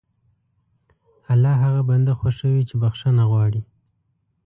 الله هغه بنده خوښوي چې بښنه غواړي.